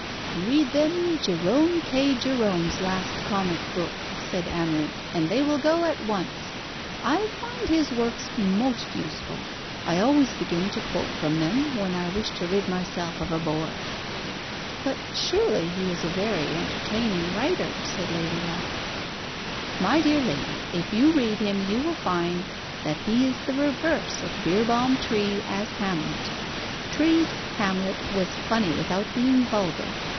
"Read them Jerome K. Jerome's last comic book," said Amarinth, "and they will go at once. I find his works most useful. I always begin to quote from them when I wish to rid myself of a bore." "But surely he is a very entertaining writer," said Lady Locke. "My dear lady, if you read him you will find that he is the reverse of Beerbohm Tree as Hamlet. Tree's Hamlet was funny without being vulgar.